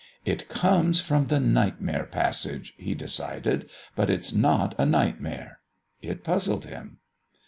"It comes from the Nightmare Passage," he decided; "but it's not a nightmare." It puzzled him.